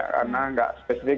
karena nggak spesifik